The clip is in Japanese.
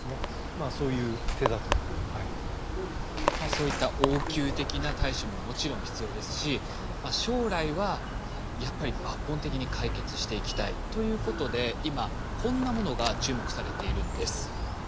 そういった応急的な対処ももちろん必要ですし将来はやっぱり抜本的に解決していきたいということで今こんなものが注目されているんです。